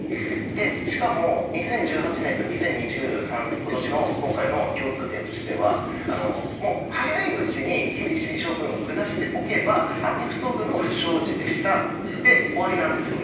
しかも、２０１８年と今年２０２３年の共通点としては早いうちに厳しい処分を下しておけばアメフト部の不祥事でしたで終わりなんですよ。